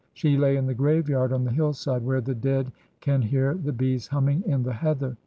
She lay in the graveyard on the hillside, where the dead can hear the bees humming in the heather.